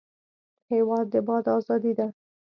هېواد د باد ازادي ده.